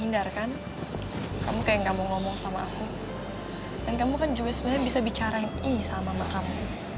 dan kamu kan juga sebenernya bisa bicara ini sama emak kamu